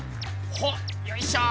ほっよいしょ。